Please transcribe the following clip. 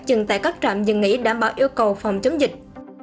dừng tại các trạm dừng nghỉ đảm bảo yêu cầu phòng chống dịch